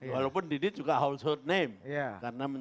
walaupun didit juga househort name